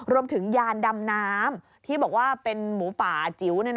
ยานดำน้ำที่บอกว่าเป็นหมูป่าจิ๋ว